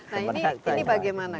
nah ini bagaimana